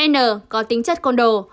n có tính chất con đồ